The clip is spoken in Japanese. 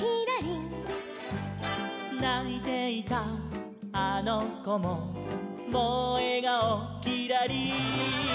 「ないていたあのこももうえがおきらりん」